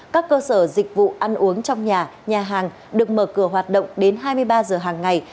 các cơ sở dịch vụ ăn uống trong nhà nhà hàng được mở cửa hoạt động đến hai mươi ba giờ hàng ngày